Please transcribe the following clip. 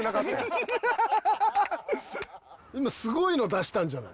今すごいの出したんじゃない？